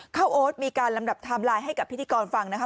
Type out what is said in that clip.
โอ๊ตมีการลำดับไทม์ไลน์ให้กับพิธีกรฟังนะคะ